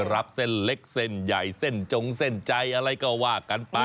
รับเส้นเล็กเส้นใหญ่เส้นจงเส้นใจอะไรก็ว่ากันไป